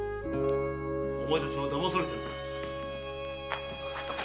・お前たちは騙されてるぞ。